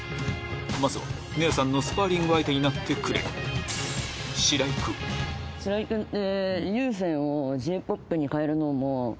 まずは姉さんのスパーリング相手になってくれる白井君白井君って。